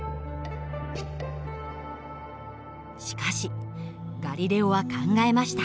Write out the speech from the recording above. しかしガリレオは考えました。